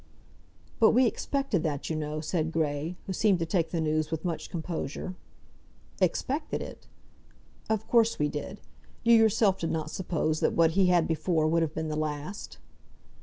"But we expected that, you know," said Grey, who seemed to take the news with much composure. "Expected it?" "Of course we did. You yourself did not suppose that what he had before would have been the last."